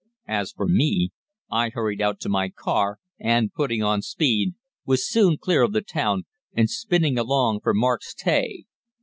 As for me, I hurried out to my car, and, putting on speed, was soon clear of the town, and spinning along for Mark's Tey.